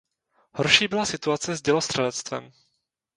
Horší byla situace s dělostřelectvem.